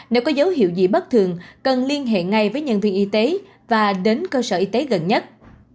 nếu có dấu hiệu gì bất thường cần liên hệ ngay với nhân viên y tế và đến cơ sở y tế gần nhất